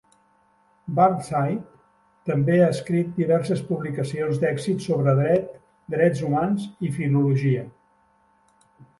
Burnside també ha escrit diverses publicacions d'èxit sobre dret, drets humans i filologia.